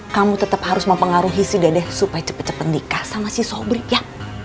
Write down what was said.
kamu tetap harus mempengaruhi si dedeh supaya cepat cepat nikah sama si sobrik ya